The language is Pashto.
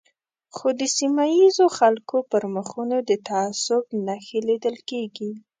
خو د سیمه ییزو خلکو پر مخونو د تعصب نښې لیدل کېږي.